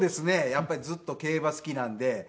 やっぱりずっと競馬好きなんで。